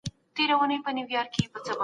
که پروسه بریالۍ نه شي، نو بدن یې ردوي.